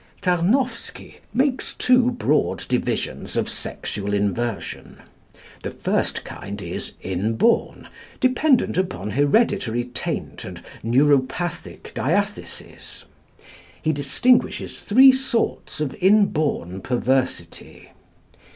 Tarnowsky makes two broad divisions of sexual inversion. The first kind is inborn, dependent upon hereditary taint and neuropathic diathesis. He distinguishes three sorts of inborn perversity.